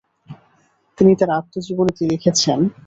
তিনি তার আত্মজীবনীতে লিখেছেন: